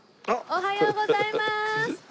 おはようございます。